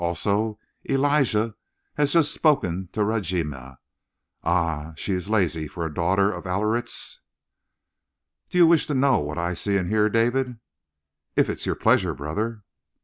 Also, Elijah has just spoken to Rajima. Ah, she is lazy for a daughter of Aliriz!" "Do you wish to know what I see and hear, David?" "If it is your pleasure, brother."